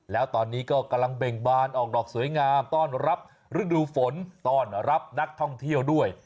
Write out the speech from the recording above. แล้วตอนนี้ก็กำลังเบ่งบานออกดอกสวยงามต้อนรับฤดูฝนต้อนรับนักท่องเที่ยวด้วย